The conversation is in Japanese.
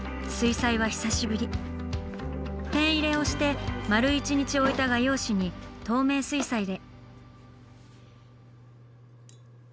ペン入れをして丸一日置いた画用紙に透明水彩で。